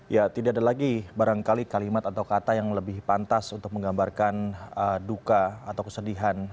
ya tidak ada lagi barangkali kalimat atau kata yang lebih pantas untuk menggambarkan duka atau kesedihan